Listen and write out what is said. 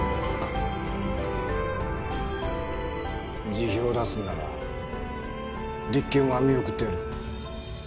辞表を出すなら立件は見送ってやる。